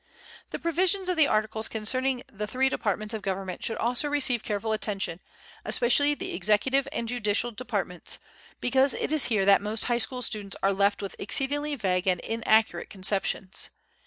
The provisions of the Articles concerning the three departments of government should also receive careful attention, especially the executive and judicial departments, because it is here that most high school students are left with exceedingly vague and inaccurate conceptions.